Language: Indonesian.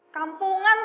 kampungan tau gak